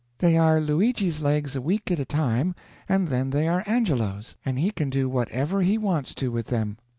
They are Luigi's legs a week at a time, and then they are Angelo's, and he can do whatever he wants to with them."